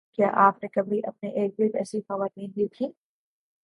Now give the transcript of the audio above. کیا آپ نے کبھی اپنی اررگرد ایسی خواتین دیکھیں